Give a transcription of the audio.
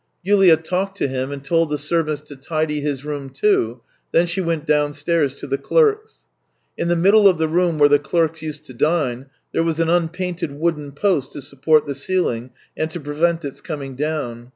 Yulia talked to him and told the servants to tidy his room, too; then she went downstairs to the clerks. In the middle of the room where the clerks u?ed to dine, there was an unpainted wooden post to support the ceiling and to prevent its cominy down.